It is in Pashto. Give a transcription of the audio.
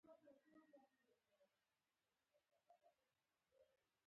• دښمني د ژړا سبب کېږي.